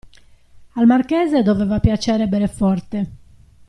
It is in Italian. Al marchese doveva piacere bere forte.